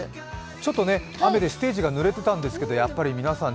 ちょっと雨でステージがぬれてたんですけどやっぱり皆さん